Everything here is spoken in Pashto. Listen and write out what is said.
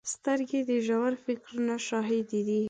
سترګې د ژور فکرونو شاهدې دي